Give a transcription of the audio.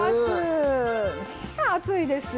暑いですよね